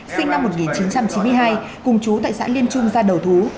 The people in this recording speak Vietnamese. sinh năm một nghìn chín trăm chín mươi hai cùng chú tại xã liên trung ra đầu thú